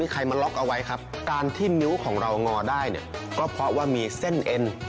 ก็เพราะว่ามีเส้นเอ็น